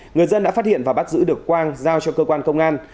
người dân đã phát hiện và bắt giữ được quang giao cho cơ quan công an